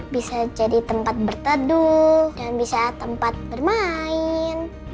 bisa jadi tempat berteduh dan bisa tempat bermain